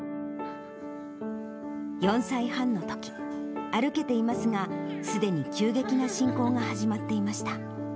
４歳半のとき、歩けていますが、すでに急激な進行が始まっていました。